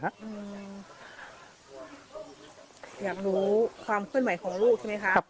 อยากรู้ความเพิ่มใหม่ของลูกใช่ไหมคะ